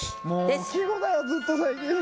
もう季語だよずっと最近。